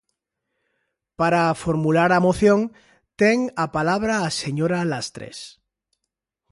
Para formular a moción, ten a palabra a señora Lastres.